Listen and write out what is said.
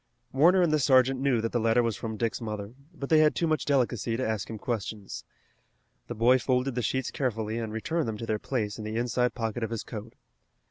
Warner and the sergeant knew that the letter was from Dick's mother, but they had too much delicacy to ask him questions. The boy folded the sheets carefully and returned them to their place in the inside pocket of his coat.